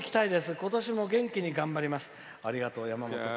今年も元気に頑張ります」。